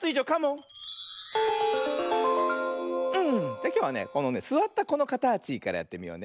じゃきょうはねこのねすわったこのかたちからやってみようね。